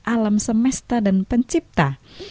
alam semesta dan pencipta